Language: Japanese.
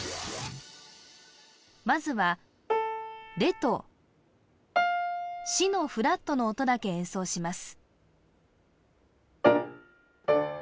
まずはレとシの♭の音だけ演奏します